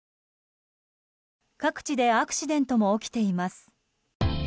各地でアクシデントも起きています。